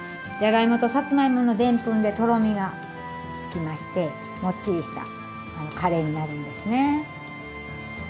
じゃがいもとさつまいものでんぷんでとろみがつきましてもっちりしたカレーになるんですね。